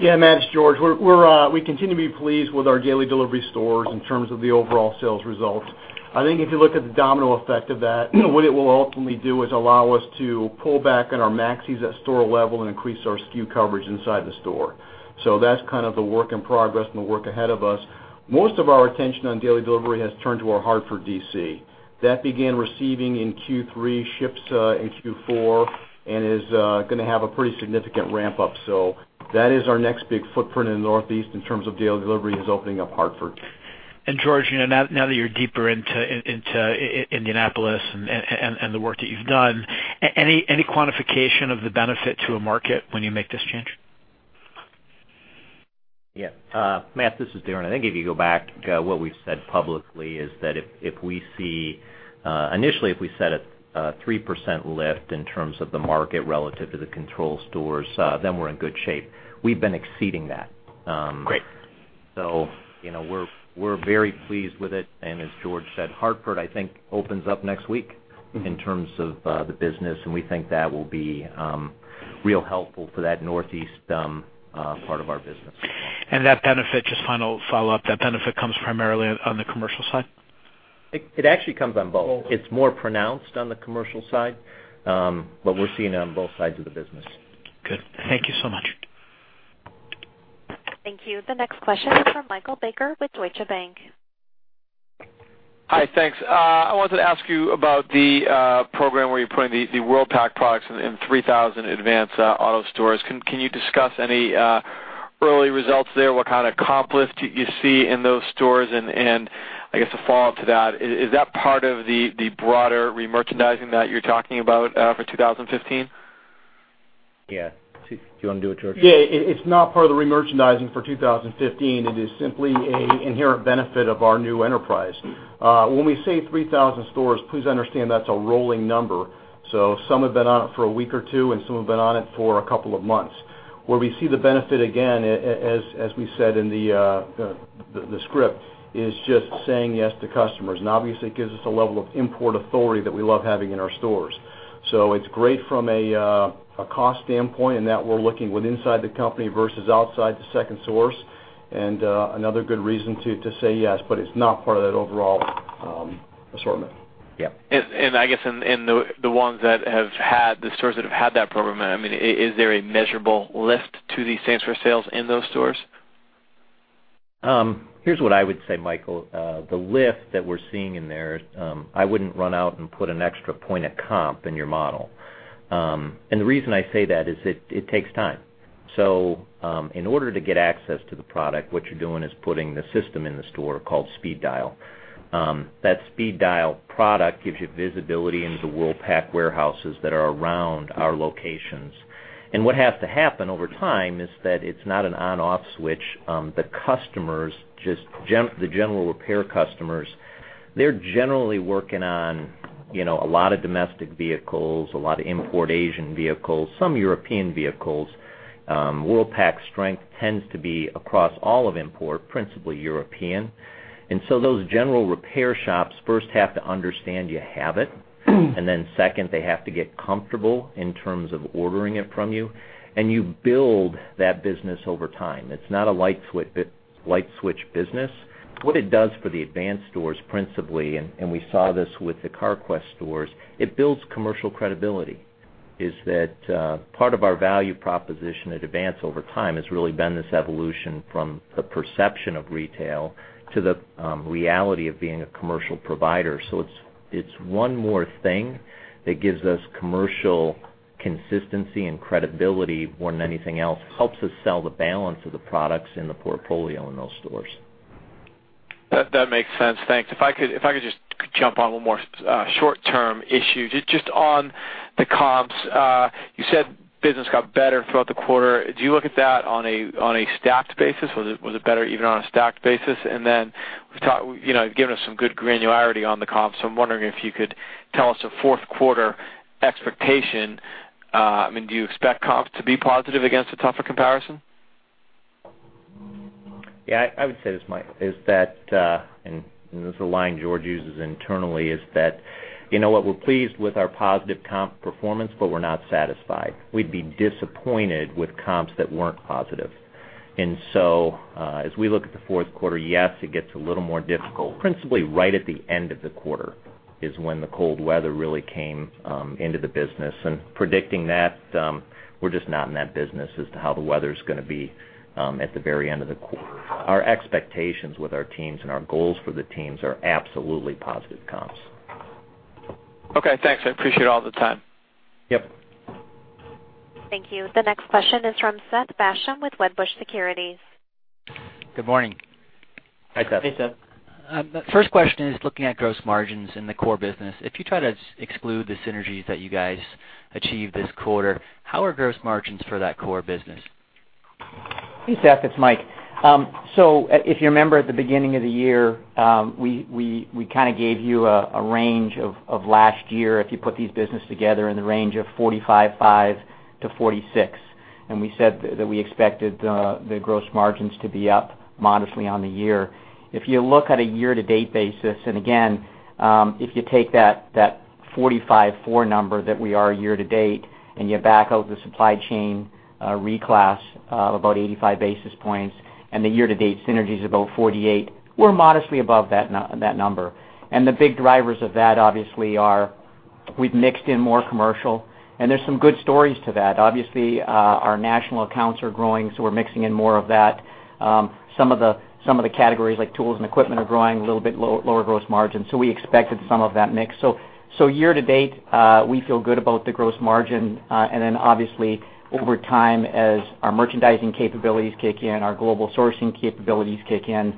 Matt, it's George. We continue to be pleased with our daily delivery stores in terms of the overall sales results. I think if you look at the domino effect of that, what it will ultimately do is allow us to pull back on our maxes at store level and increase our SKU coverage inside the store. That's the work in progress and the work ahead of us. Most of our attention on daily delivery has turned to our Hartford DC. That began receiving in Q3, ships in Q4, and is going to have a pretty significant ramp-up. That is our next big footprint in the Northeast in terms of daily delivery is opening up Hartford. George, now that you're deeper into Indianapolis and the work that you've done, any quantification of the benefit to a market when you make this change? Yeah. Matt, this is Darren. I think if you go back, what we've said publicly is that initially, if we set a 3% lift in terms of the market relative to the control stores, then we're in good shape. We've been exceeding that. Great. We're very pleased with it. As George said, Hartford, I think, opens up next week in terms of the business, we think that will be real helpful for that Northeast part of our business. That benefit, just final follow-up, that benefit comes primarily on the commercial side? It actually comes on both. It's more pronounced on the commercial side, but we're seeing it on both sides of the business. Good. Thank you so much Thank you. The next question is from Michael Baker with Deutsche Bank. Hi, thanks. I wanted to ask you about the program where you're putting the Worldpac products in 3,000 Advance Auto stores. Can you discuss any early results there? What kind of comp lift you see in those stores? I guess a follow-up to that, is that part of the broader remerchandising that you're talking about for 2015? Yeah. Do you want to do it, George? Yeah. It is not part of the remerchandising for 2015. It is simply an inherent benefit of our new enterprise. When we say 3,000 stores, please understand that is a rolling number. Some have been on it for a week or two, and some have been on it for a couple of months. Where we see the benefit, again, as we said in the script, is just saying yes to customers. Obviously, it gives us a level of import authority that we love having in our stores. It is great from a cost standpoint in that we are looking with inside the company versus outside the second source, and another good reason to say yes, but it is not part of that overall assortment. Yeah. I guess in the stores that have had that program, is there a measurable lift to the same store sales in those stores? Here is what I would say, Michael. The lift that we are seeing in there, I would not run out and put an extra point of comp in your model. The reason I say that is it takes time. In order to get access to the product, what you are doing is putting the system in the store called SpeedDIAL. That SpeedDIAL product gives you visibility into Worldpac warehouses that are around our locations. What has to happen over time is that it is not an on/off switch. The general repair customers, they are generally working on a lot of domestic vehicles, a lot of import Asian vehicles, some European vehicles. Worldpac's strength tends to be across all of import, principally European. Those general repair shops first have to understand you have it, and then second, they have to get comfortable in terms of ordering it from you. You build that business over time. It is not a light switch business. What it does for the Advance stores, principally, and we saw this with the Carquest stores, it builds commercial credibility. Is that part of our value proposition at Advance over time has really been this evolution from the perception of retail to the reality of being a commercial provider. It is one more thing that gives us commercial consistency and credibility more than anything else. It helps us sell the balance of the products in the portfolio in those stores. That makes sense. Thanks. If I could just jump on one more short-term issue. Just on the comps, you said business got better throughout the quarter. Do you look at that on a stacked basis? Was it better even on a stacked basis? You've given us some good granularity on the comps, so I'm wondering if you could tell us a fourth quarter expectation. Do you expect comps to be positive against a tougher comparison? Yeah, I would say this, Mike, and this is a line George uses internally, is that what we're pleased with our positive comp performance, but we're not satisfied. We'd be disappointed with comps that weren't positive. As we look at the fourth quarter, yes, it gets a little more difficult. Principally, right at the end of the quarter is when the cold weather really came into the business. Predicting that, we're just not in that business as to how the weather's going to be at the very end of the quarter. Our expectations with our teams and our goals for the teams are absolutely positive comps. Okay, thanks. I appreciate all the time. Yep. Thank you. The next question is from Seth Basham with Wedbush Securities. Good morning. Hi, Seth. Hey, Seth. The first question is looking at gross margins in the core business. If you try to exclude the synergies that you guys achieved this quarter, how are gross margins for that core business? Hey, Seth, it's Mike. If you remember at the beginning of the year, we gave you a range of last year, if you put these business together, in the range of 45.5%-46%. We said that we expected the gross margins to be up modestly on the year. If you look at a year-to-date basis, and again, if you take that 45.4% number that we are year to date, and you back out the supply chain reclass of about 85 basis points, and the year-to-date synergies about 48 basis points, we're modestly above that number. The big drivers of that, obviously, are we've mixed in more commercial, and there's some good stories to that. Obviously, our national accounts are growing, so we're mixing in more of that. Some of the categories, like tools and equipment, are growing a little bit lower gross margin. We expected some of that mix. Year to date, we feel good about the gross margin. Obviously, over time, as our merchandising capabilities kick in, our global sourcing capabilities kick in,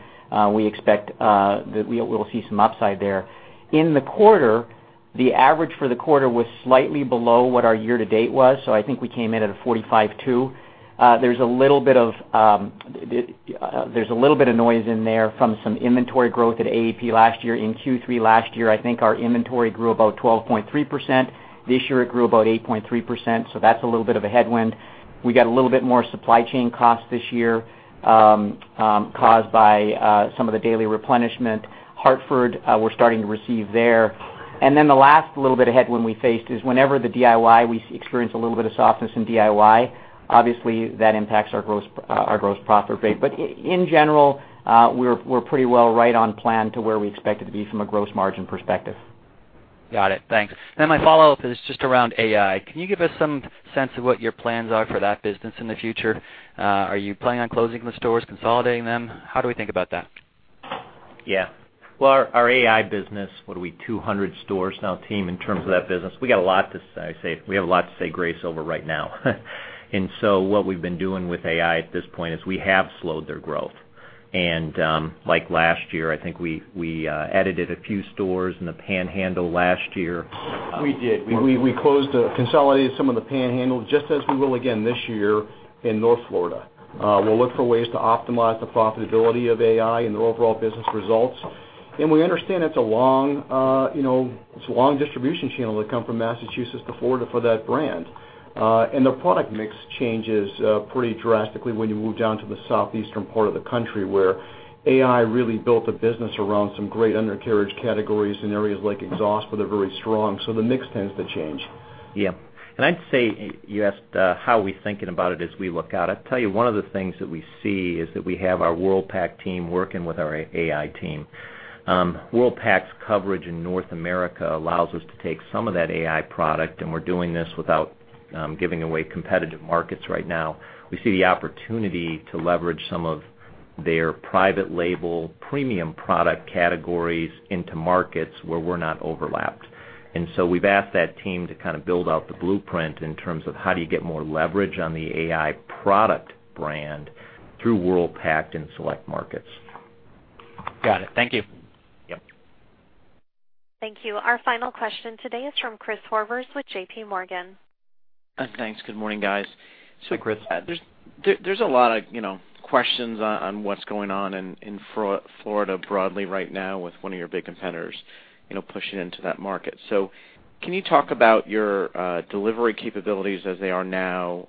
we expect that we'll see some upside there. In the quarter, the average for the quarter was slightly below what our year to date was. I think we came in at a 45.2%. There's a little bit of noise in there from some inventory growth at AAP last year. In Q3 last year, I think our inventory grew about 12.3%. This year it grew about 8.3%, so that's a little bit of a headwind. We got a little bit more supply chain cost this year caused by some of the daily replenishment. Hartford, we're starting to receive there. The last little bit of headwind we faced is whenever the DIY, we experience a little bit of softness in DIY. Obviously, that impacts our gross profit rate. In general, we're pretty well right on plan to where we expected to be from a gross margin perspective. Got it. Thanks. My follow-up is just around AI. Can you give us some sense of what your plans are for that business in the future? Are you planning on closing the stores, consolidating them? How do we think about that? Yeah. Well, our AI business, what are we, 200 stores now, team, in terms of that business. We got a lot to say, go over right now. What we've been doing with AI at this point is we have slowed their growth. Like last year, I think we added a few stores in the Panhandle last year. We did. We consolidated some of the Panhandle, just as we will again this year in North Florida. We'll look for ways to optimize the profitability of AI and their overall business results. We understand it's a long distribution channel to come from Massachusetts to Florida for that brand. Their product mix changes pretty drastically when you move down to the southeastern part of the country, where AI really built a business around some great undercarriage categories in areas like exhaust, where they're very strong. The mix tends to change. Yeah. I'd say, you asked how are we thinking about it as we look out. I'll tell you one of the things that we see is that we have our Worldpac team working with our AI team. Worldpac's coverage in North America allows us to take some of that AI product, and we're doing this without giving away competitive markets right now. We see the opportunity to leverage some of their private label premium product categories into markets where we're not overlapped. We've asked that team to kind of build out the blueprint in terms of how do you get more leverage on the AI product brand through Worldpac in select markets. Got it. Thank you. Yep. Thank you. Our final question today is from Chris Horvers with JPMorgan. Thanks. Good morning, guys. Hi, Chris. There's a lot of questions on what's going on in Florida broadly right now with one of your big competitors pushing into that market. Can you talk about your delivery capabilities as they are now,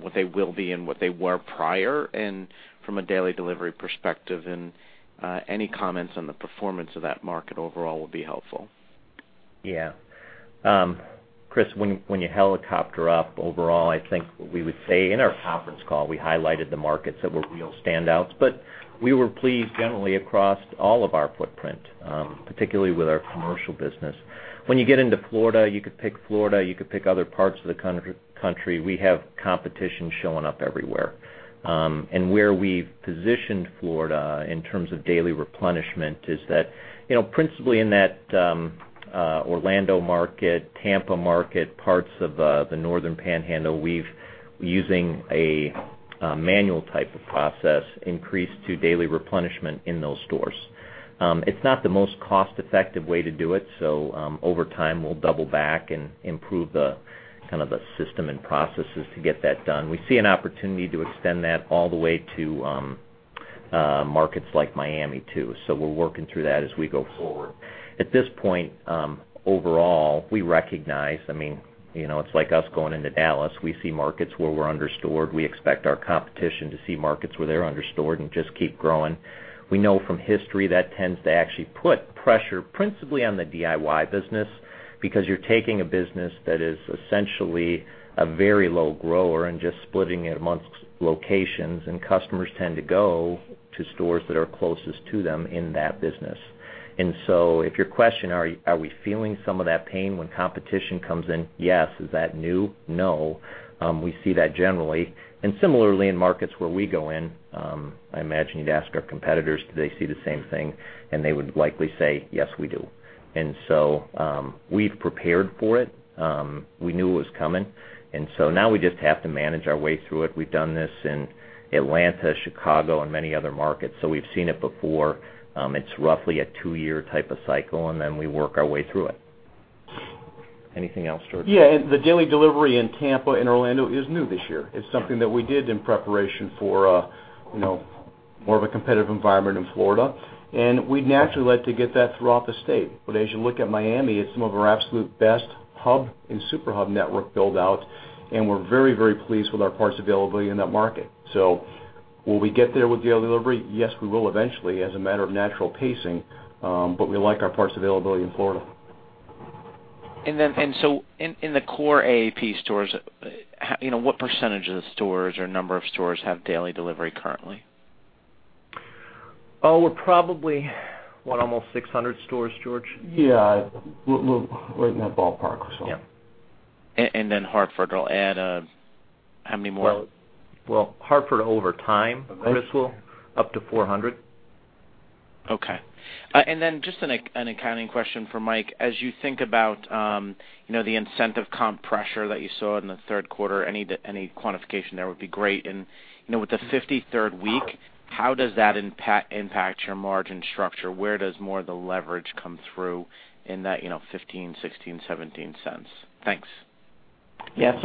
what they will be, and what they were prior from a daily delivery perspective? Any comments on the performance of that market overall would be helpful. Yeah. Chris, when you helicopter up overall, I think what we would say, in our conference call, we highlighted the markets that were real standouts, but we were pleased generally across all of our footprint, particularly with our commercial business. When you get into Florida, you could pick Florida, you could pick other parts of the country, we have competition showing up everywhere. Where we've positioned Florida in terms of daily replenishment is that principally in that Orlando market, Tampa market, parts of the northern Panhandle, we're using a manual type of process increased to daily replenishment in those stores. It's not the most cost-effective way to do it, over time, we'll double back and improve the system and processes to get that done. We see an opportunity to extend that all the way to markets like Miami, too. We're working through that as we go forward. At this point, overall, we recognize, it's like us going into Dallas. We see markets where we're under-stored. We expect our competition to see markets where they're under-stored and just keep growing. We know from history that tends to actually put pressure principally on the DIY business because you're taking a business that is essentially a very low grower and just splitting it amongst locations, and customers tend to go to stores that are closest to them in that business. If your question, are we feeling some of that pain when competition comes in? Yes. Is that new? No. We see that generally. Similarly, in markets where we go in, I imagine you'd ask our competitors, do they see the same thing? They would likely say, "Yes, we do." We've prepared for it. We knew it was coming. Now we just have to manage our way through it. We've done this in Atlanta, Chicago, and many other markets, we've seen it before. It's roughly a 2-year type of cycle, we work our way through it. Anything else, George? Yeah. The daily delivery in Tampa and Orlando is new this year. It's something that we did in preparation for more of a competitive environment in Florida. We'd naturally like to get that throughout the state. As you look at Miami, it's some of our absolute best hub and super hub network build-out, and we're very pleased with our parts availability in that market. Will we get there with daily delivery? Yes, we will eventually as a matter of natural pacing. We like our parts availability in Florida. In the core AAP stores, what percentage of the stores or number of stores have daily delivery currently? We're probably, what, almost 600 stores, George? Right in that ballpark or so. Yeah. Hartford will add how many more? Well, Hartford, over time, Chris Horvers, will up to 400. Okay. Then just an accounting question for Mike Norona. As you think about the incentive comp pressure that you saw in the third quarter, any quantification there would be great. With the 53rd week, how does that impact your margin structure? Where does more of the leverage come through in that $0.15, $0.16, $0.17? Thanks. Yeah.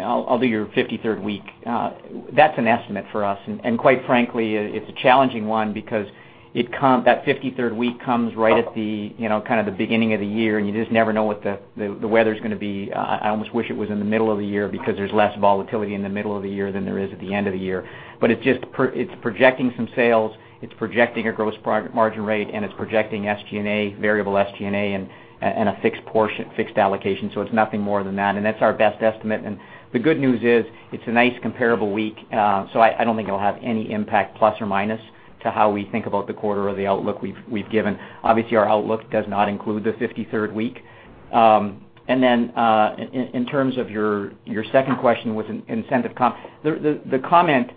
I'll do your 53rd week. That's an estimate for us. Quite frankly, it's a challenging one because that 53rd week comes right at the beginning of the year, you just never know what the weather's going to be. I almost wish it was in the middle of the year because there's less volatility in the middle of the year than there is at the end of the year. It's projecting some sales, it's projecting a gross margin rate, it's projecting SG&A, variable SG&A, and a fixed allocation. It's nothing more than that's our best estimate. The good news is it's a nice comparable week, I don't think it'll have any impact, ±, to how we think about the quarter or the outlook we've given. Obviously, our outlook does not include the 53rd week. Then, in terms of your second question with incentive comp, the comment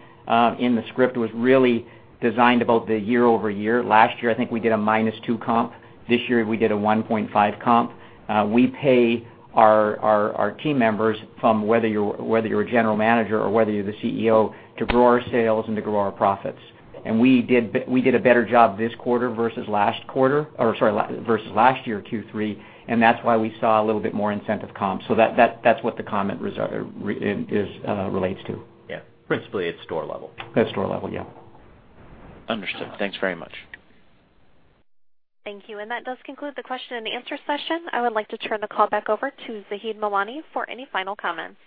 in the script was really designed about the year-over-year. Last year, I think we did a minus two comp. This year, we did a 1.5 comp. We pay our team members from whether you're a general manager or whether you're the CEO to grow our sales and to grow our profits. We did a better job this quarter versus last year, Q3, that's why we saw a little bit more incentive comp. That's what the comment relates to. Yeah. Principally, it’s store level. At store level, yeah. Understood. Thanks very much. Thank you. That does conclude the question and answer session. I would like to turn the call back over to Zaheed Mawani for any final comments.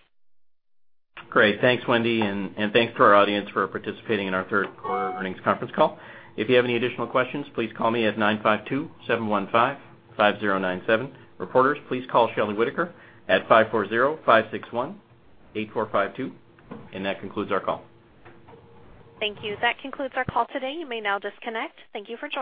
Great. Thanks, Wendy, and thanks to our audience for participating in our third quarter earnings conference call. If you have any additional questions, please call me at 952-715-5097. Reporters, please call Shelley Whitaker at 540-561-8452. That concludes our call. Thank you. That concludes our call today. You may now disconnect. Thank you for joining.